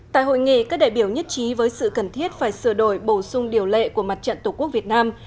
tại hội nghị các đại biểu nhất trí với sự cần thiết phải sửa đổi bổ sung điều lệ của mặt trận tổ quốc việt nam